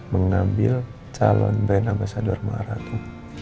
mengambil calon brand ambasador maharatu